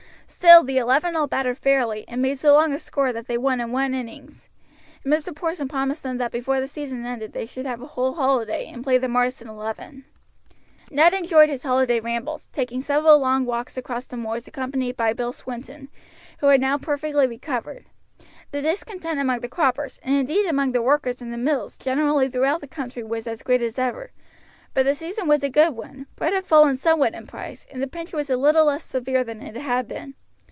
Still the eleven all batted fairly, and made so long a score that they won in one innings; and Mr. Porson promised them that before the season ended they should have a whole holiday, and play the Marsden eleven. Ned enjoyed his holiday rambles, taking several long walks across the moors accompanied by Bill Swinton, who had now perfectly recovered. The discontent among the croppers, and indeed among the workers in the mills generally through the country was as great as ever; but the season was a good one; bread had fallen somewhat in price, and the pinch was a little less severe than it had been.